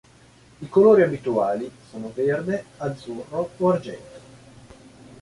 I colori abituali sono verde, azzurro o argento.